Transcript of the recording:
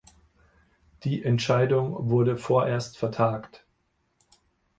Die Entscheidung wurde vorerst vertagt.